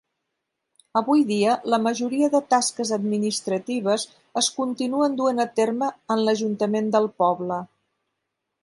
Avui dia, la majoria de tasques administratives es continuen duent a terme en l'ajuntament del poble.